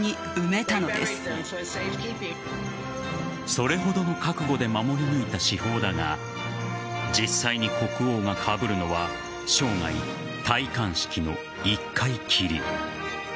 それほどの覚悟で守り抜いた至宝だが実際に国王がかぶるのは生涯、戴冠式の１回きり。